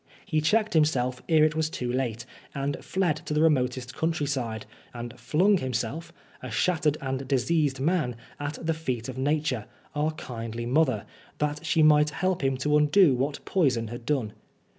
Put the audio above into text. He checked himself ere it was too late, and fled to the remotest countryside, and flung himself, a shattered and diseased man, at the feet of Nature, our kindly mother, that she might help him to undo what poison had done.